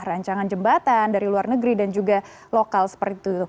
rancangan jembatan dari luar negeri dan juga lokal seperti itu